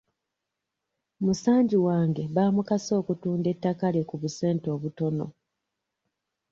Musanji wange baamukase okutunda ettaka lye ku busente obutono.